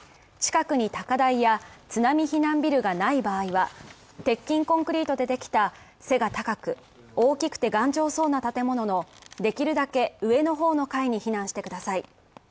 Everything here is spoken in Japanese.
近くに高台や津波避難ビルがない場合は、鉄筋コンクリートでできた背が高く大きくて頑丈そうな建物のできるだけ上の方の階に避難してください